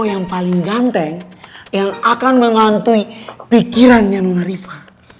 itu yang paling ganteng yang akan menghantui pikirannya nona riva